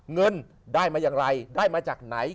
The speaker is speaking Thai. เงินได้มาอย่างไรได้มาจากไหน